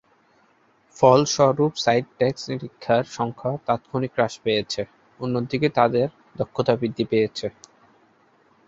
ফলস্বরূপ, site tax নিরীক্ষার সংখ্যা তাত্ক্ষণিক হ্রাস পেয়েছে, অন্যদিকে তাদের দক্ষতা বৃদ্ধি পেয়েছে।